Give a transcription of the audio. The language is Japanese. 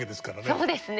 そうですね。